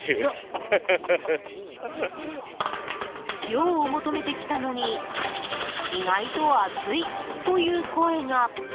涼を求めて来たのに意外と暑いという声が。